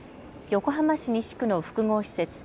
横浜市西区の複合施設